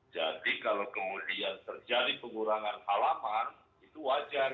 jadi kalau kemudian terjadi pengurangan halaman itu wajar